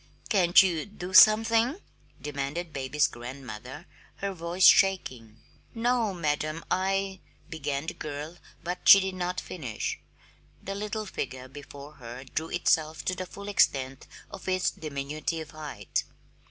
"Can't you do something?" demanded baby's grandmother, her voice shaking. "No, madam. I " began the girl, but she did not finish. The little figure before her drew itself to the full extent of its diminutive height.